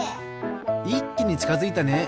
いっきにちかづいたね。